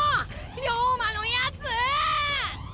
龍馬のやつ！